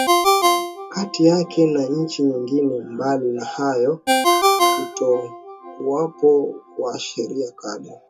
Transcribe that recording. kati yake na nchi nyingine Mbali na hayo kutokuwapo kwa sheria kali